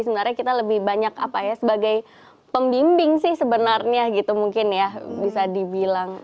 sebenarnya kita lebih banyak apa ya sebagai pembimbing sih sebenarnya gitu mungkin ya bisa dibilang